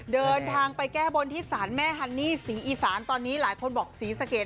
เดินทางไปแก้บนที่ศาลแม่ฮันนี่ศรีอีสานตอนนี้หลายคนบอกศรีสะเกด